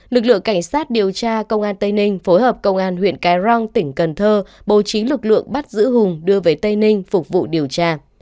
lực lượng cảnh sát điều tra công an tây ninh phối hợp công an huyện cái răng tỉnh cần thơ bố trí lực lượng bắt giữ hùng đưa về tây ninh phục vụ điều tra